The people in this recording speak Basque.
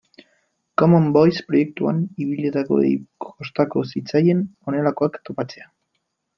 Common Voice proiektuan ibilitakoei kostatu zitzaien honelakoak topatzea.